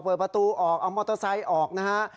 เปิดประตูออกเอามอเตอร์ไซค์ออกนะฮะ